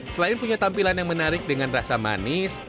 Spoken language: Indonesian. selain punya tampilan yang menarik dengan rasa manis